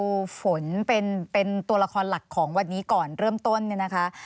คุณผู้ชมคะถ้าเราเอาฝนเป็นตัวละครหลักของวันนี้ก่อนเริ่มต้น